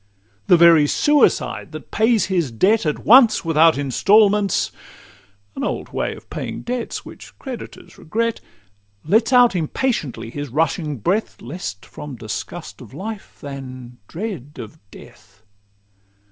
The very Suicide that pays his debt At once without instalments (an old way Of paying debts, which creditors regret) Lets out impatiently his rushing breath, Less from disgust of life than dread of death.